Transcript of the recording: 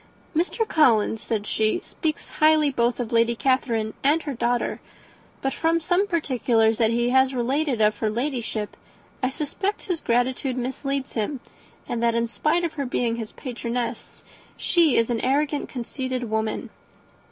"Mr. Collins," said she, "speaks highly both of Lady Catherine and her daughter; but, from some particulars that he has related of her Ladyship, I suspect his gratitude misleads him; and that, in spite of her being his patroness, she is an arrogant, conceited woman."